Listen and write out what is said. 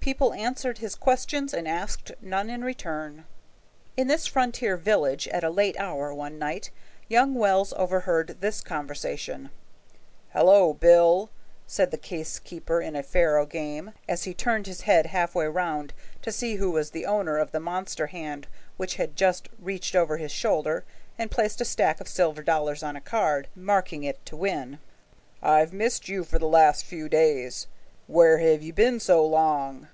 People answered his few questions and asked none in return. In this frontier village at a late hour one night young Wells overheard this conversation: "Hello, Bill," said the case keeper in a faro game, as he turned his head halfway round to see who was the owner of the monster hand which had just reached over his shoulder and placed a stack of silver dollars on a card, marking it to win, "I've missed you the last few days. Where have you been so long?"